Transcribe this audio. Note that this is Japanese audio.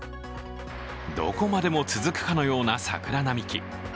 どこまでも続くかのような桜並木。